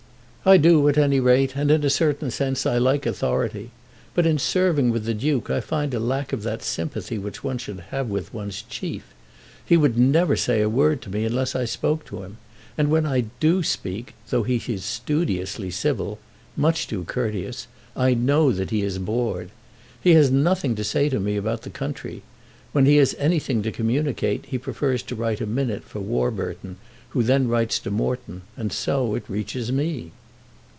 "I do at any rate, and, in a certain sense, I like authority. But in serving with the Duke I find a lack of that sympathy which one should have with one's chief. He would never say a word to me unless I spoke to him. And when I do speak, though he is studiously civil, much too courteous, I know that he is bored. He has nothing to say to me about the country. When he has anything to communicate, he prefers to write a minute for Warburton, who then writes to Morton, and so it reaches me."